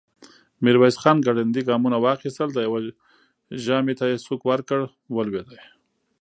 ميرويس خان ګړندي ګامونه واخيستل، د يوه ژامې ته يې سوک ورکړ، ولوېد.